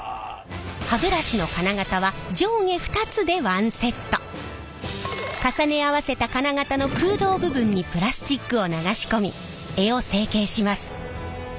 歯ブラシの金型は重ね合わせた金型の空洞部分にプラスチックを流し込み柄を成形します。